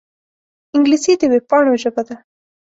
انګلیسي د وېبپاڼو ژبه ده